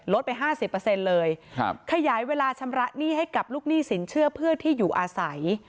ลดไปห้าสิบเปอร์เซ็นต์เลยครับขยายเวลาชำระหนี้ให้กับลูกหนี้สินเชื่อเพื่อที่อยู่อาศัย